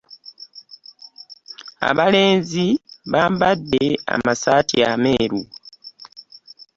Abalenzi bambadde amasaati ameeru.